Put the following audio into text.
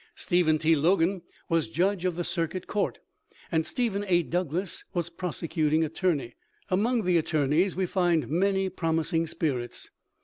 Stephen T. Logan was judge of the Circuit court, and Stephen A. Douglas was prosecuting attorney. Among the attorneys we find many promising spirits.